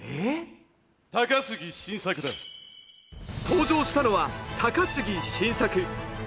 登場したのは高杉晋作。